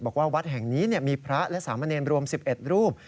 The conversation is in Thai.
บอกว่าวัดแห่งนี้มีพระและสามเณรรวม๑๑รูป